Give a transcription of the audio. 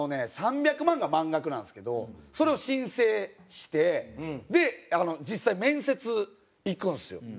３００万が満額なんですけどそれを申請して実際面接行くんですよ。